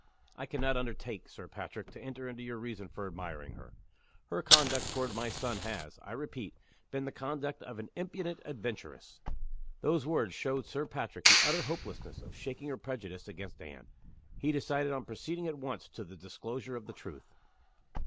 "I can not undertake, Sir Patrick, to enter into your reasons for admiring her. Her conduct toward my son has, I repeat, been the conduct of an impudent adventuress." Those words showed Sir Patrick the utter hopelessness of shaking her prejudice against Anne. He decided on proceeding at once to the disclosure of the truth.